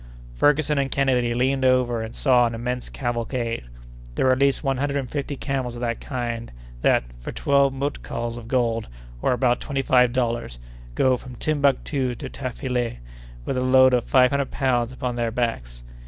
Ferguson and Kennedy leaned over and saw an immense cavalcade. There were at least one hundred and fifty camels of the kind that, for twelve mutkals of gold, or about twenty five dollars, go from Timbuctoo to Tafilet with a load of five hundred pounds upon their backs.